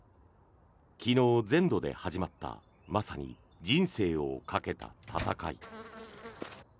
昨日、全土で始まったまさに人生をかけた戦い。